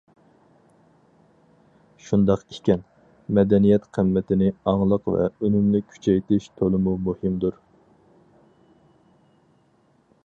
شۇنداق ئىكەن، مەدەنىيەت قىممىتىنى ئاڭلىق ۋە ئۈنۈملۈك كۈچەيتىش تولىمۇ مۇھىمدۇر.